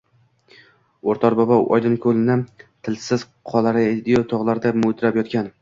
Oʼtar bobo Oydinkoʼlni, tilsiz qoyalaru togʼ ortida mudrab yotgan